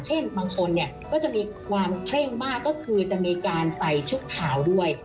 บางคนเนี่ยก็จะมีความเคร่งมากก็คือจะมีการใส่ชุดขาวด้วย